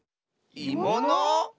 いもの？